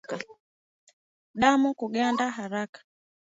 Damu kuganda haraka